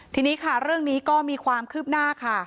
ทีนี้ค่ะเรื่องนี้ก็มีความคืบหน้าค่ะ